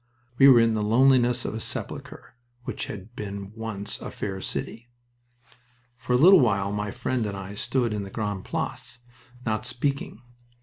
We were in the loneliness of a sepulcher which had been once a fair city. For a little while my friend and I stood in the Grande Place, not speaking.